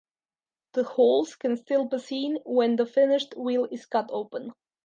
The holes can still be seen when the finished wheel is cut open.